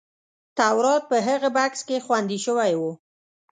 تورات په هغه بکس کې خوندي شوی و.